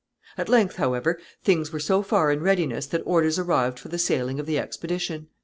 ] At length, however, things were so far in readiness that orders arrived for the sailing of the expedition.